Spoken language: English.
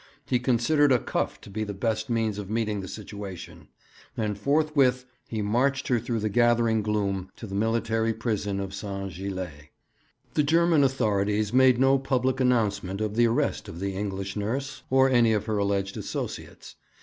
He considered a cuff to be the best means of meeting the situation; and forthwith he marched her through the gathering gloom to the military prison of St. Gilles. The German authorities made no public announcement of the arrest of the English nurse or any of her alleged associates.